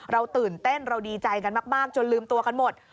เราตื่นเต้นเราดีใจกันมากจนลืมตัวกันหมด